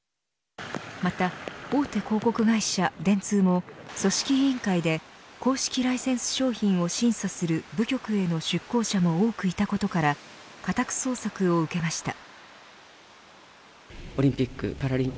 また、大手広告会社、電通も組織委員会で公式ライセンス商品を審査する部局への出向者も多くいたことから家宅捜索を受けました。